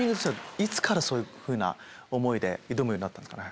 そういうふうな思いで挑むようになったんですかね？